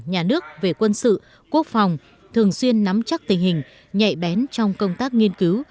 nhà nước về quân sự quốc phòng thường xuyên nắm chắc tình hình nhạy bén trong công tác nghiên cứu